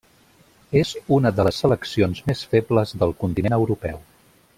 És una de les seleccions més febles del continent europeu.